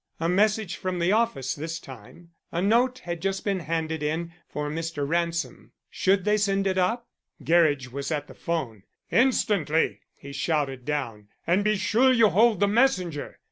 A message from the office this time. A note had just been handed in for Mr. Ransom; should they send it up? Gerridge was at the 'phone. "Instantly," he shouted down, "and be sure you hold the messenger.